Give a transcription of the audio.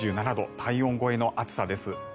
体温超えの暑さです。